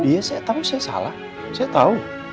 iya saya tau saya salah saya tau